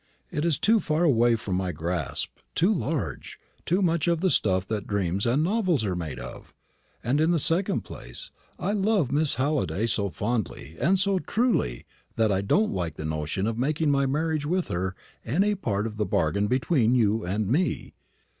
It is too far away from my grasp, too large, too much of the stuff that dreams and novels are made of. And, in the second place, I love Miss Halliday so fondly and so truly that I don't like the notion of making my marriage with her any part of the bargain between you and me."